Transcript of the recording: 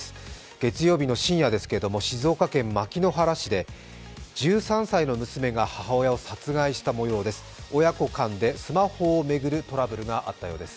月曜日の深夜ですけれども静岡県牧之原市で、１３歳の娘が母親を殺害したもようです。